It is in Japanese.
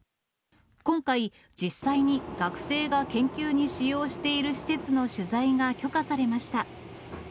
今回、実際に学生が研究に使用している施設の取材が許可されました。